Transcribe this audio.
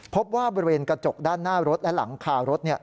พบว่าบริเวณกระจกด้านหน้ารถและหลังคารถ